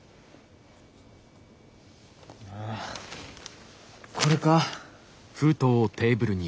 ああこれか。